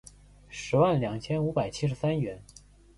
十万两千五百七十三元